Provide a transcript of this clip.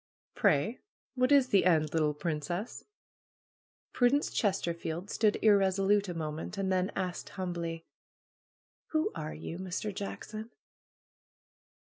^^Pray, what is the end, little princess? ' Prudence Chesterfield stood irresolute a moment and then asked humbly: "Who are you, Mr. Jackson?"